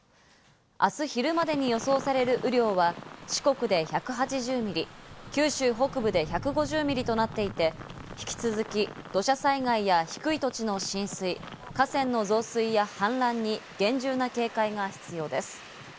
あす昼までに予想される雨量は、四国で１８０ミリ、九州北部で１５０ミリとなっていて、引き続き土砂災害や低い土地の浸水、河川の増水や氾濫に厳重な警戒が必要です。